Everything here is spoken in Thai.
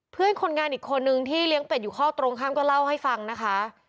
เพื่อนคนงานอีกคนนึงที่เลี้ยงเป็ดอยู่ข้อตรงข้ามก็เล่าให้ฟังนะคะ